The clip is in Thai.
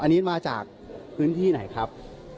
อันนี้มาจากพื้นที่ไหนครับ